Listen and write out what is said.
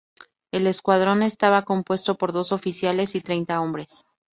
El escuadrón estaba compuesto por dos oficiales y treinta hombres.